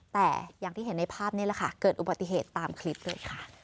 แต่อย่างที่เห็นในภาพนี้แหละค่ะเกิดอุบัติเหตุตามคลิปเลยค่ะ